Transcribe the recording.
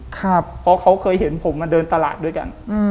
เพราะเขาเคยเห็นผมมาเดินตลาดด้วยกัน